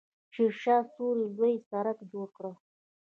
شیرشاه سوري لوی سړک جوړ کړ.